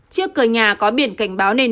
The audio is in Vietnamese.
trước cờ nhà có biển cảnh báo nền